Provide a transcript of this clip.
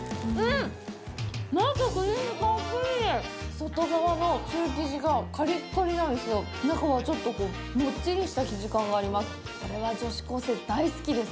外側のシュー生地がかりっかりなんですけど中は、ちょっともっちりした生地感があります。